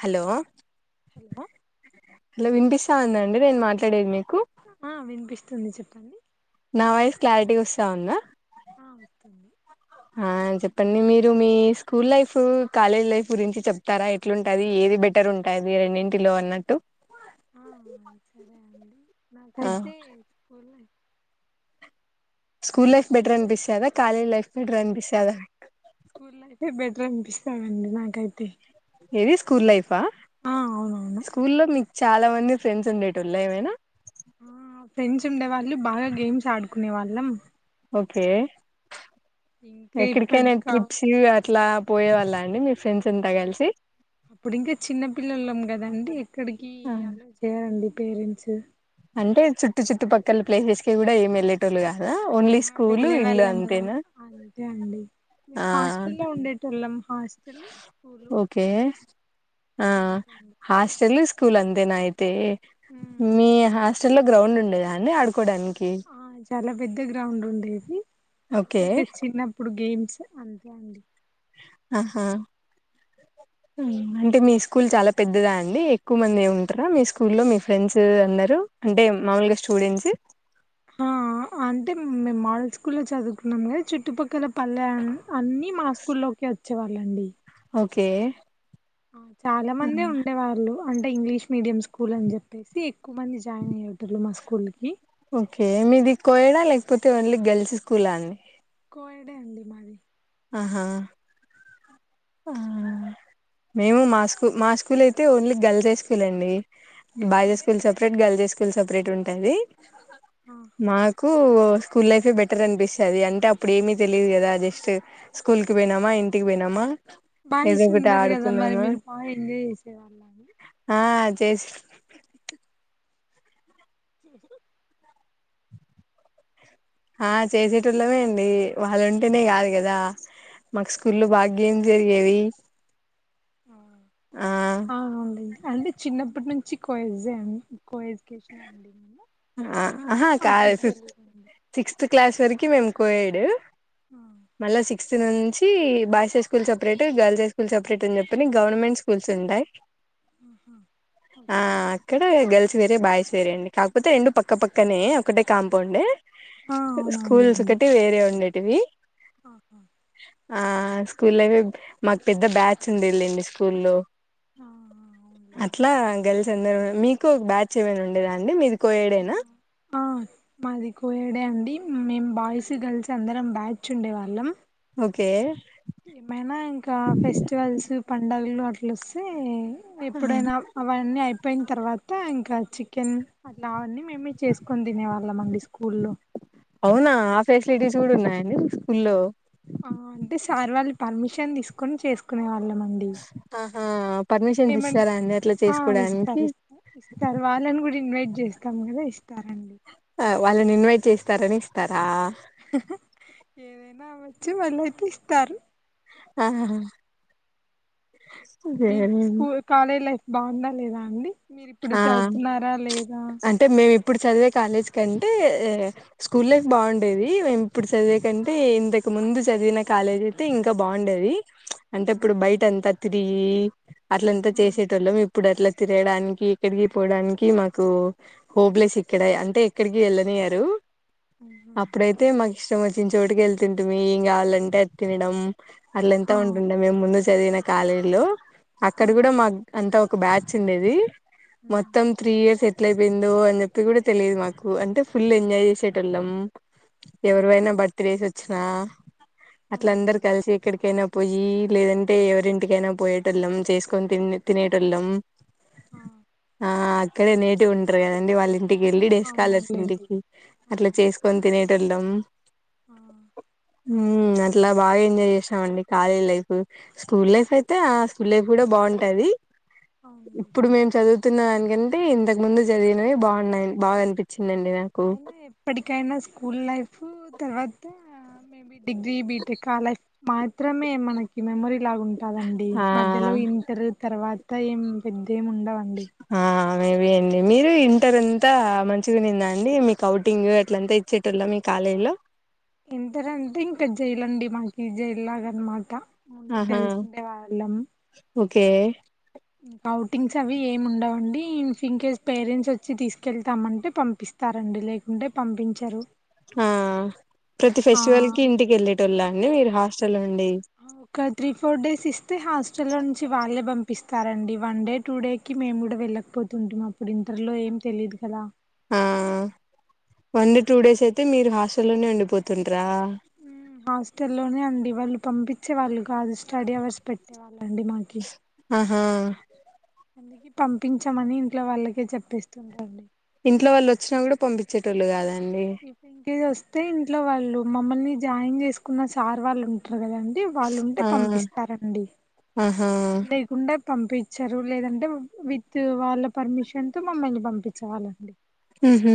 Hello hello hello వినిపిస్తా అండి నేను మాట్లాడేది మీకు ఆ వినిపిస్తుంది చెప్పండి నా వయిస్ క్లారిటీ వస్తాందా ఆ వస్తుంది ఆ చెప్పండి మీరు మీ స్కూల్ లైఫ్ కాలేజ్ లైఫ్ గురించి చెప్తారా ఎట్లుంటది ఏది బెటర్ బెటర్ ఉంటాది రెండింటిలో అన్నట్టు ఆ సరే అండి ఆ నాకైతే స్కూల్ స్కూల్ లైఫ్ బెటర్ అనిపిస్తాదా కాలేజ్ లైఫ్ బెటర్ అనిపిస్తాదా స్కూల్ లైఫే బెటర్ అనిపిస్తాందండి నాకైతే ఏది స్కూల్ లైఫా ఆ అవునవును స్కూల్లో మీకు చాలా మంది ఫ్రెండ్స్ ఉండేటోల్లు ఏమైనా ఆ కునే వాళ్ళం ఓకే ఇంకా ఎక్కడికైనా ఇప్పటికా ట్రిప్స్ ఈ ఇట్లా పోయే వాళ్ళ అండి మీ ఫ్రెండ్స్ అంతా కలిసి అప్పుడు ఇంకా చిన్న పిల్లోలం కదండి ఎక్కడికి ఆ అల్లో చేయరండి పేరెంట్స్ అంటే చుట్టు చుట్టు పక్కల ప్లేసెస్ కి కూడా ఏమి వెళ్ళేటోళ్ళు కదా ఓన్లీ ఆహా స్కూలు వెళ్ళే ఇల్ అంతేనా మేం ఆ హాస్టల్లో ఉండేటోల్లం ఓకే ఆ అంతే అండి హాస్టెల్ స్కూ స్కూల్ అంతేనా అయితే ఉమ్ అంతే మీ హాస్టల్ లో గ్రౌండ్ ఉండేదా ఆడుకోవడానికి ఆ చాలా పెద్ద గ్రౌండ్ ఉండేది ఓకే ఇంకా చిన్నప్పుడు గేమ్ అంతే అండి ఆహా మ్ అంటే మీ స్కూల్ చాలా పెద్దదా అండి ఎక్కువ మంది ఉంటారా మీ స్కూల్ లో మీ ఫ్రెండ్స్ అందరు అంటే మామూలుగా స్టూడెంట్స్ ఆ అంటే మేము మాడల్ స్కూల్లో చదువుకున్నాం కదా చుట్టుపక్కల పల్లె అని అన్నీ మా స్కూల్లోకి వచ్చేవాళ్ళండి ఓకే ఆ చాలా ఆ! మందే ఉండే వాళ్ళు అంటే ఇంగ్లీష్ మీడియం స్కూల్ అని చెప్పేసి ఎక్కువ మంది జాయిన్ అయ్యేటర్లు మా స్కూల్కి ఓకే మీది కోయడా లేకపోతే ఓన్లీ గెల్స్ స్కూలా అండి కోయడే అండి మాది ఆహా ఆ ఉ మేము మా స్కూల్ మా స్కూల్ అయితే ఓన్లీ గర్ల్స్ హై స్కూల్ అండి బా చే ఆహా స్కూల్ సెపరేట్ గర్ల్ చే స్కూ ఫుల్ సపరేట్ ఉంటుది ఆ మాకు స్కూల్ లైఫే బెటర్ అనిపిస్తది అంటే అప్పుడు ఏమీ తెలిదు కదా జస్ట్ స్కూల్కి పోయినామా ఇంటికి పోయినామా బానే ఏదో ఒకటి సుందర కదా మరి ఆడుకున్నామా మీరు బాగా ఎంజాయ్ చేసే వాళ్ళ అండి చేస్ చి ఆ చేసేటోళమే అండి వాళ్ళు ఉంటేనే కాదు కదా మాకు స్కూల్లో బాగా గేం జరిగేవి ఆ అవునండి అంటే చిన్నప్పటి నుంచి కోయిజ కో ఎడ్యుకేషనే అండి ఆ అందుకే ఆహా మాకు కాదు ఇది ఫిఫ్త్ తెలియదండి సిక్స్త్ క్లాస్ వరకి మేము కోయాడు ఆ మళ్ళా సిక్స్ నుంచి boys high school separate girls high school separate అని చెప్పని గవర్నమెంట్ స్కూల్స్ ఉంటా్ ఆహా ఆ ఓకే అక్కడ గర్ల్స్ వేరే బాయ్స్ వేరే అండి కాక పోతే రెండు పక్క పక్కనే ఒకటే కాంపౌండ్ే ఆ స్కూల్స్ ఒకటి వేరే ఉండే ఆఓహో ఆ స్కూల్ మాకు పెద్ద బ్యాచ్ ఉంది వెళ్ళండి స్కూల్లో ఆ ఆ, అవునులేండి అట్లా గల్స్ అందరు మీకు బ్యాచ్ ఏమైనా ఉండేదా అండి మీది కోయేడేనా ఆ మాది కోయడే అండి మేం బాగా వయసు గర్ల్స్ అందరం బ్యాచ్ ఉండేవాళ్ళం ఓకే ఏమైనా ఇంకా ఫెస్టివల్స్ పడుగలు అట్లొస్తే ఎప్పుడైనా అవన్నీ అయిపో అ పోయిన తర్వాత ఇంకా చికెన్ అట్లా అవన్నీ మేమే చేసుకొని తినేవాళ్ళ అండి స్కూల్లో అవునా ఆ ఫెసిలిటీస్ కూడా ఉన్నాయండి స్కూల్లో ఆ అంటే సార్ వాళ్ళు పర్మిషన్ తీసుకొని చేసుకునే వాళ్ళం అండి పర్మిషన్ ఏమంటే ఇస్తా అ ఆ ఇస్తారు ఇస్తారు ఇస్తారు వాళ్ళని కూడా ఇన్వైట్ చేస్తాం కదా ఇస్తారండి ఆ వాళ్ళని ఇన్వైట్ చేస్తారని ఇస్తారా ఏదైనా అ వచ్చి మళ్ళీ అయితే ఇస్తారు ఆ మీ స్కూ కాలేజ్ లైఫ్ బాగుందా లేదా అండి మీరిప్పుడు ఆ చదువుతున్నారా లేదా అంటే మేము ఇప్పుడు చదివే కాలేజ్ కంటే స్కూల్ బాగుండేది మేము ఇప్పుడు చదివే కంటే ఇంద ఇక ముందు చదివిన కాలేజీ అయితే ఇంకా బాగుండది అంటే ఉమ్. ఇప్పుడు బయట అంతా తిరిగి అట్లంతా ఆ చేసేట వాళ్ళం ఇప్పుడు అట్లా తిరగాడానికి ఎక్కడికి పోవడానికి మాకు హోప్లెస్ ఇక్కడ అంటే ఎక్కడికి వెళ్ళనియ్యారు ఆహా అప్పుడైతే మాకు ఇష్టం వచ్చి చోటుకి వెళ్ తంటుమి ఏం కావాలంటే తినడం అట్ల ఎంత ఆ ఉంటుండ మేము ముందు చదివిన కాలే హలో అక్కడ కూడా ఉహు మాకు అంత ఒక బ్యాచ్ ఉండేది ఉమ్. మొత్తం త్రీ ఇయర్స్ ఎట్ల అయిపోయిందో అని చెప్పి కూడా తెలియదు మాకు అంటే ఫుల్ ఎంజాయ్ చేసేటోళ్ళం ఆ ఎవరువైనా బర్త్ డేస్ వచ్చినా అట్లందరు అవునులేండి కలిసి ఎక్కడికైనా పోయి లేదంటే ఎవరింటికైనా పోయేట వాళ్ళం చేసుకొని త తినేట వాళ్ళం ఆ ఆ అక్కడే నేటి ఉంటారు కదండి వాళ్ళ ఇంటికి వెళ్లిి డే స్కాలర్స్ అవునవునులేండి ఇంటికి ఆ అట్లా అవును చేసుకొని తినే తినడం ఆ అట్లా బాగా ఎంజాయ్ చేసామ అండి కాలేజ్ లైఫ్ స్కూల్ లైఫ్ అయితే ఆ స్కూల్ లైఫ్ కూడా బాగుంటుది ఇప్పుడు అవునులేండి మేము చదువుతున్న దానికంటే ఇంతకు ముందు చదివినవి బాగున్నాయి బాగా అనిపించింది అయినా ఎప్పటికైనా స్కూల్ లైఫ్ తర్వాత మేబీ డిగ్రీ బీటెక్ ఆ లైఫ్ మాత్రమే మనకి మెమొరీ ఇలాగుంటాదండి ఆ మధ్యలో ఇంటర్ తర్వాత ఏం పెద్దేమి ఉండవు ఆ మేబ అండి మీరు ఇంటర్ అంతా మంచిగా నిందా అండి మీకు అఔటింగ్ అట్లంతా ఇచ్చేటల్ల మీకు కాలేజీలో ఇంటర్ అంటే ఇంకా జైలు అండి మాకి జైలు లాగ అనమాట ఓన్లీ ఆహా గర్ల్స్ ఉండే వాళ్ళం ఓకే అౌటింగ్స్ అవి ఏమి ఉండవుండి ఇన్ఫ్ ఇన్ కేస్ పేరెంట్స్ వచ్చి తీసుకెళ్తామ అంటే పంపిస్తా తారండి లేకుంటే పంపించరు ఆ ప్రతి ఆ ఫెస్టివల్ కీ ఇంటికెళ్ళేటోల్లాండి మీరు హాస్టల్లొ ఒక త్రీ ఫోర్ డేస్ ఇస్తే హాస్టల్లో చ్చి వాళ్ళే పంపిస్తారండి వన్ డే టూ డేకి మేము గూడ వెళ్ళకపోతుంటిమప్పుడు ఇంటర్లో ఏం తెలియదు కదా ఆ వన్ టూడేసయితే మీరు హాస్టల్లోనే ఉండిపోతుంట్రా మ్మ్ హాస్టల్లోనే అండి వాళ్ళు పంపిచ్చే వాళ్ళు కాదు స్టడీ అవర్స్ పెట్టేవా ళ్ళండి మాకీ ఆహా అందుకే పంపించమని ఇంట్లో వాళ్ళకి చెప్పేస్తుంటండి ఇంట్లో వాళ్ళొచ్చినా గూడా పంపిచ్చేటోళ్ళు గాద ఇప్పింకిదోస్తే ఇంట్లో వాళ్ళు మమ్మల్ని జాయిన్ చేసుకున్న సార్ వాళ్ళున్ టర్ గదండి వాళ్ళు ఉంటే ఆ పంపిస్తారండి ఆహా లేకుండె పంపిచ్చరు లేదంటె విత్ వాళ్ళ పర్మిషన్తో మమ్మల్ని పంపిచ్చెవాళ్ళండి ఊహూ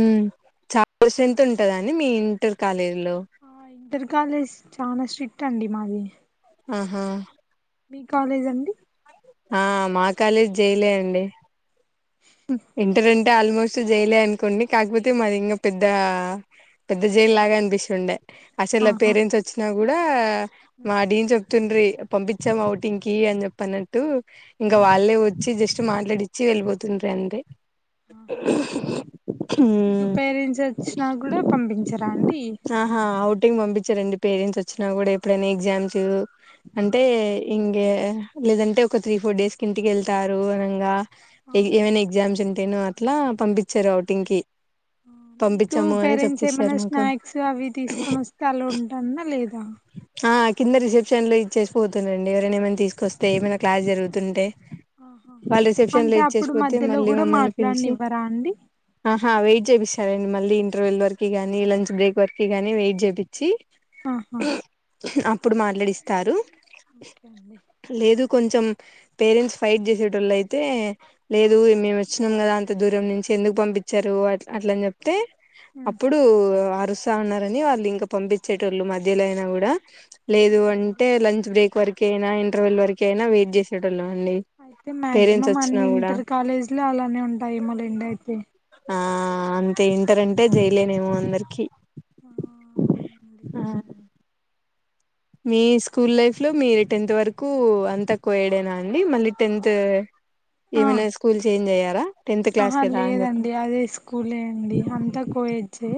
చాల స్టెంత్ ఉంటద అండి మీ ఇంటర్ కాలేజిలో ఆ ఇంటర్ కాలేజ్ చానా స్ట్రిక్ట్ అండి మాది ఆహా మీ కాలేజ్ అండి ఆ మా కాలేజ్ జైలే అండి ఇంటరంటె ఆల్మోస్ట్ జైలే అనుకోండి కాకపోతే మాది ఇంగ పెద్దా పెద్ద జైల్లాగా అనిపిస్తుండె అసలు ఆహా పేరెంట్సొచ్చినా గూడా మా డీన్ చె తుండ్రి పంపిచ్చం అవుటింగ్కి అన్జెప్పనట్టు ఇంగ ఆ, వాళ్ళే వచ్చి జస్ట్ తొ మాట్లాడిచ్చి వెళ్ళబోతుండ్రందె ఆహా మీకు మ్మ్ పేరెంట్స్ వచ్చినా కూడా పంపించరా అండి అహా ఔటింగుంది చ్చారండి పేరెంట్సొచ్చినా గుడా ఎప్పుడైనా ఎగ్జామ్స్ ఆ, అంటే ఇంగే లేదంటే ఒక త్రీ ఫోర్ డేస్కింటికెళ్తారు అనంగా ఆ, ఇ ఏమైనా ఎగ్ అంటేనూ అట్లా పంపిచ్చారు ఔటింగ్ కి [inaudible] మీకూ పంపించాము అని చెప్పిస్తారు పేరెంట్సేమన్నా మాకు స్నాక్స్ అవి తీసుకొనొస్తె అలో ఉంటందా లేదా ఆ కింద రిసెప్షన్ లో ఇచ్చేసి పోతుండే అండి ఎవరైనా ఏమైనా తీసుకొస్తే ఏమైనా క్లాస్ జరుగుతుంటే ఆహా వాళ్లు రిసెప్షన్ లో అంటే అప్పుడు ఇచ్చేసిపో మధ్యలో మళ్ళీ కూడా మమ్మల్ని పిలిచి మాట్లాడనివ్వరా అండి ఆహా వెయిట్ జేపిస్ సరేండి మళ్ళీ ఇంటర్వల్ వరకీ గానీ లంచ్ బ్రేక్ వరకీ గానీ వెయిట్ జేపి చ్చి ఆహా అప్పుడు మాట్లాడిస్తారూ ఓకే అండి కొంచెం పేరెంట్స్ ఫైట్ జెసేటోళ్ళయితే లేదు ఆ, మేమోచ్చి నం గదా అంత దూరం నుంచి ఎందుకు పంపిచ్చరూ అట్ల అట్లన్జెప్తే ఉమ్, అప్పుడూ ఓస్తా ఉన్నారని వాళ్ళు ఇంక పంపిచ్చేటోళ్ళు మధ్యలయినా గూడా లేదు అవునులేండి అంటే లంచ్ బ్రేక్ వరక యినా ఇంటర్వ్యూల్ వరకయినా వెయిట్ జేసేటోళ్లం అండి పేరెంట్సొచ్చినా గూడా కాలేజ్ లో అలానే ఉంటాయి మళ ఇండయితే ఆ అంతే ఇంటరంటె జైలేనేమో అందరికి ఆ ఉంది ఆ మీ స్కూల్ లైఫ్ లో మీరు టెన్త్ వరుకూ అంత కో ఏడేనా అండి మళ్ళీ టెన్త్ ఏమైనా స్కూల్ చేంజ్ అయ్యారా టెన్త్ క్లాస్ అహా కదా అని చెప్పి లేదండి అదే స్కూలే అండి అంతా కోయేడ్జే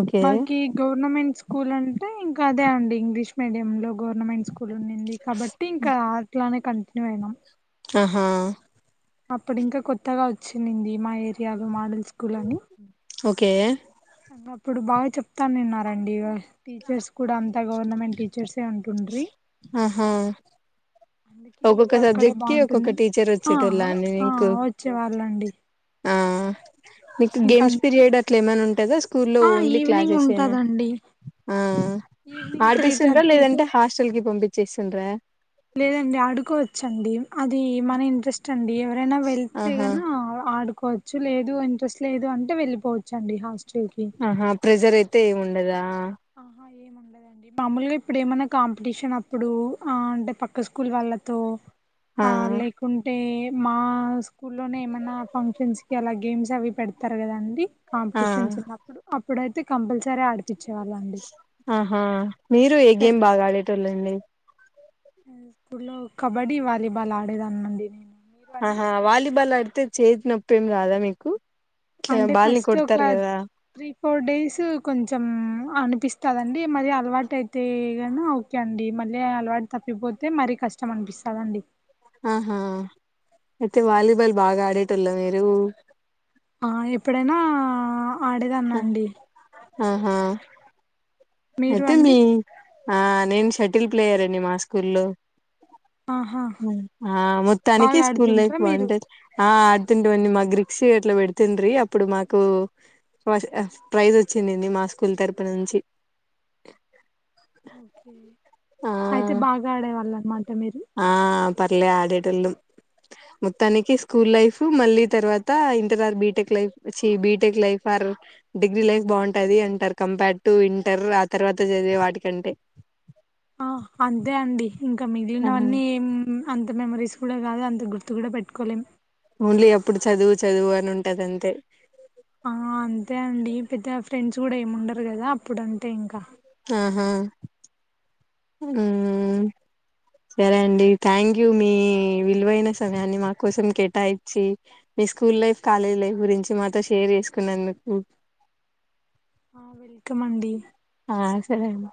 ఓకే మాకీ గవర్నమెంట్ స్కూల్ అంటే ఇంకా అదే అండి ఇంగ్లీష్ మీడియయం లో గవర్నమెంట్ స్కూల్ ఉండింది కాబట్టి ఇంకా అట్లానే కంటిన్యూ అయినాం అహా అప్పుడింక కొత్తగా వచ్చిండింది మా ఏరియాలో మాడల్ స్కూల్ అని కే ఇగ అప్పుడు బాగా చెప్తానిన్నారండి టీచర్స్ కూడా అం అంత గవర్నమెంట్ టీచర్సే ఉంటుండ్రి ఆహా అందుకే ఒక్కొక్క ఇంకా అక్కడే సబ్జెక్ట్ కి ఒక్కొక్క బాగుంటుందని టీచర్ ఆ వచ్చేటోళ్ళా అండి ఆ మీకు వచ్చేవాళ్ళండి ఆ మీకు ఇంకా గేమ్స్ అందుకే పీరియడ్ అట్లా ఏమైనా ఉంటందా స్కూల్లో ఆ ఓన్లీ ఈవినింగ్ క్లాసెస్ ఏనా ఉంటదండి ఆ ఈవినింగ్ త్రీ ఆడిపిస్తుండ్రా థర్టీ టు లేదంటే హాస్టల్ కి పంపించేస్తుండ్రా లేదండి ఆడుకోవచ్చండి అది మన ఇంట్రెస్ట్ అండి ఎవ రైనా ఆహా వెళ్తేగన ఆడుకోవచ్చు లేదు ఇంట్రెస్ట్ లేదు అంటే వెళ్ళిపోవచ్చు అండి హాస్ట ల్కి ప్రెజరైతే ఏముండదా ఆహా మామలుగా ఇప్పుడు ఏమైనా కాంపిటీషన్ అప్పుడు ఆ అంటే పక్క స్కూల్ వాళ్ళతో ఆ లేకుంటే మా స్కూ లోనే ఏమన్నా ఫంక్షన్స్ కలా గేమ్స్ అవి పెడతారు కదాండి ఆ కాంపిటీషన్స్ ఉన్నప్పుడు అప్పుడైతే కంపల్సరీ ఆడిపిచ్ ఆహా మీరు ఏ గేం బాగా ఆడేటోళ్ళండి స్కూల్ ళ్ళో కబడ్డీ వాలీబాల్ ఆడేదనండి నేను మీరు అండి ఆహా వాలీబాల్ ఆడితే చేతి నొప్పిేం రాదా మీకు ఇట్లా అంటే బాల్ని ఫస్ట్ ఒక కొడుతారు కదా త్రీ ఫోర్ డేస్ కొంచెం అనిపిస్తదండి మరి అలువాటైతేగిన ఓకే అండి మ మళ్ళీ అలవాటు తప్పిపోతే మరీ కష్టం అనిపిస్తదండి ఆహా అయితే వాలీబాల్ బాగా ఆడేటోళ్ల మీరు ఆ ఎప్పుడైనా ఆ ఆడేదన్నండి ఆహా మీరు అయితే మీ అండి ఆ నేను షటిల్ ప్లేయర్ అండి మా స్కూల్లో ఆహా ఆ మొత్తానికి బాగా స్కూల్ లైఫ్ ఆడుతుంటారా మీరు బాగుంటది ఆ ఆ అడుతుంటిమండి మా గ్రిక్స అట్లా పెడుతుండీ అప్పుడు మాకు ఫ ప్రైజ్ వచ్చిడింది మా స్కూల్ తరపు నుంచి ఓకే అయితే ఆ బాగా ఆడేవాళ్ళు అన్నమాట మీరు ఆ పర్లే ఆడేటోలం మొత్తానికి స్కూల్ లైఫ్ మళ్ళీ తర్వాత ఇంటర్ ఆర్ బీటెక్ లైఫ్ చి BTech life or degree life బాగుంటది అంటారు కంపేర్ టు ఇంటర్ ఆ తర్వాత చదివే వాటికంటే ఆ అంతే అండి ఇంకా ఆహా మిగిలినవన్నీ ఎం అంత మెమరీస్ కూడా కాదు అంత గుర్తు కూడా పెట్టుకోలేం ఓన్లీ అప్పుడు చదువు చదువు అని ఉంటది అంతే ఆ అంతే అండి పెద్దగ ఫ్రెండ్స్ కూడా ఏముండరు కదా అప్పుడు అంతె ఇంకా ఆహా మ్మ్ సరే అండి థ్యాంక్ యూ మీ విలువైన సమయాన్ని మా కోసం కేటాయించిి మీ స్కూల్ లైఫ్ కాలేజ్ లైఫ్ గురించి మాతో షేర్ చేసుకున్నందుకు ఆ వెల్కమ్ అండి ఆ సరే అండి